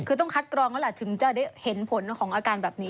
คือต้องคัดกรองแล้วแหละถึงจะได้เห็นผลของอาการแบบนี้